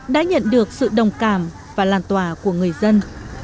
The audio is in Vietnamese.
đã nhận được sự đồng cảm và lan tỏa của người dân